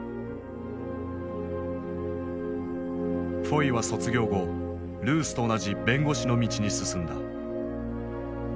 フォイは卒業後ルースと同じ弁護士の道に進んだ。